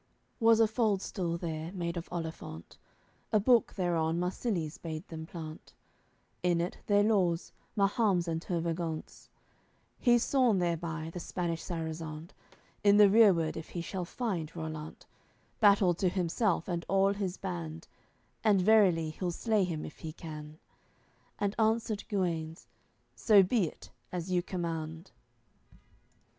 AOI. XLVII Was a fald stool there, made of olifant. A book thereon Marsilies bade them plant, In it their laws, Mahum's and Tervagant's. He's sworn thereby, the Spanish Sarazand, In the rereward if he shall find Rollant, Battle to himself and all his band, And verily he'll slay him if he can. And answered Guenes: "So be it, as you command!"